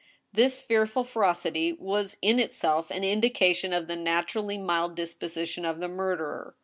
This fearful ferocity was in itself an indication of the naturally mild disposition of the murderer.